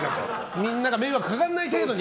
みんなが迷惑かからない程度に？